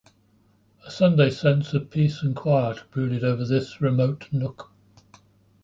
A Sunday sense of peace and quiet brooded over this remote nook.